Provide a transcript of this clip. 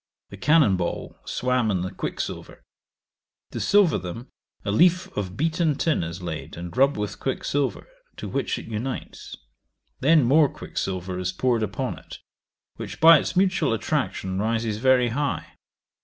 The cannon ball swam in the quicksilver. To silver them, a leaf of beaten tin is laid, and rubbed with quicksilver, to which it unites. Then more quicksilver is poured upon it, which, by its mutual [attraction] rises very high.